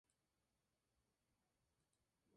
De hecho, fue una ruta comercial central para la región.